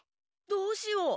どうしよう？